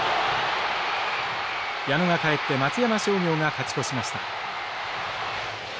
矢野が帰って松山商業が勝ち越しました。